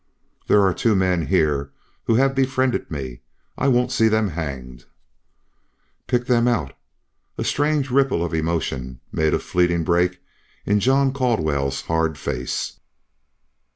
"There are two men here who have befriended me. I won't see them hanged." "Pick them out!" A strange ripple of emotion made a fleeting break in John Caldwell's hard face.